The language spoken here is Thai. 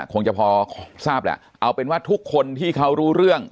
คงจะพอทราบแหละเอาเป็นว่าทุกคนที่เขารู้เรื่อง